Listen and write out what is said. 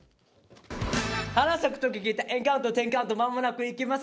「花咲く時きたエンカウントテンカウント間もなく行きます